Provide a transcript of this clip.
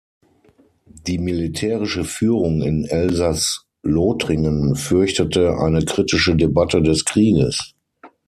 Die militärische Führung in Elsaß-Lothringen fürchtete eine kritische Debatte des Krieges.